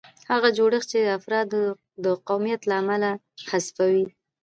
هغه جوړښت چې افراد د قومیت له امله حذفوي.